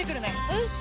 うん！